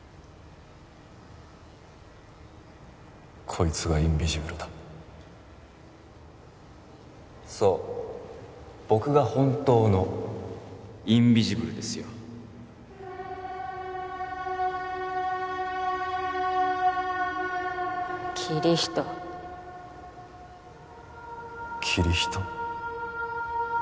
こいつがインビジブルだそう僕が本当のインビジブルですよキリヒトキリヒト？